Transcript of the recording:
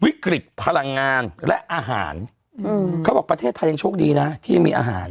วิกฤตพลังงานและอาหารอืมเขาบอกประเทศไทยยังโชคดีนะที่ยังมีอาหาร